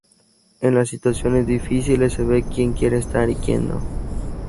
En las situaciones difíciles se ve quien quiere estar y quien no.